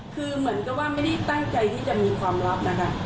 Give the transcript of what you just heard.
คือเหมือนกับว่าไม่ได้ตั้งใจที่จะมีความลับนะคะ